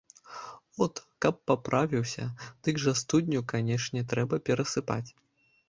От каб паправіўся, дык жа студню, канешне, трэба перасыпаць.